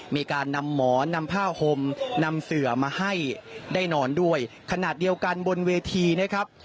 มีการนำหมอนนำผ้าห่มนำเสือมาให้ได้นอนด้วยขณะเดียวกันบนเวทีนะครับ